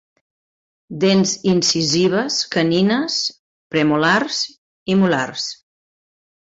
Dents incisives, canines, premolars i molars.